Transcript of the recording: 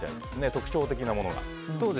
特徴的なものが。